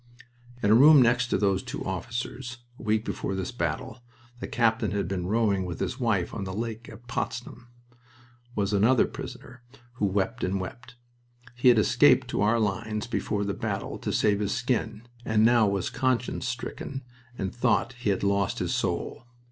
In a room next to those two officers a week before this battle, the captain had been rowing with his wife on the lake at Potsdam was another prisoner, who wept and wept. He had escaped to our lines before the battle to save his skin, and now was conscience stricken and thought he had lost his soul.